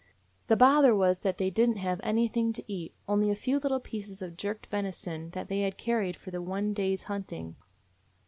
The bother was that they did n't have anything to eat; only a few little pieces of jerked venison that they had carried for the one day's hunting.